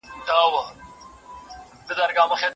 پر ملا دي کړوپ کړم زمانه خوار سې